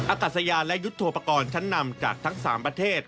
อากาศยานและยุทธโปรกรณ์ชั้นนำจากทั้ง๓ประเทศ